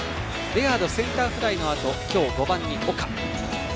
レアード、センターフライのあと今日５番に岡。